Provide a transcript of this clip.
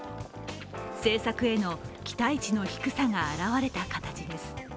政策への期待値の低さが表れた形です。